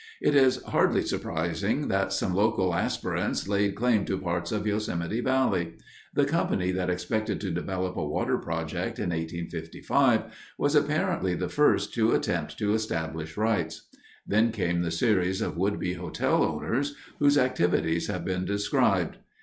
It is hardly surprising that some local aspirants laid claim to parts of Yosemite Valley. The company that expected to develop a water project in 1855 was apparently the first to attempt to establish rights. Then came the series of would be hotel owners, whose activities have been described.